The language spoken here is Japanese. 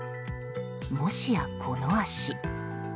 もしや、この足。